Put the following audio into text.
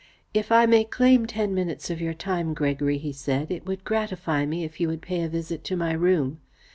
"If I may claim ten minutes of your time, Gregory," he said, "it would gratify me if you would pay a visit to my room.